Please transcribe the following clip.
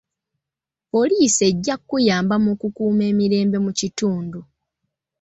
Poliisi ejja kuyamba mu kukuuma emirembe mu kitundu.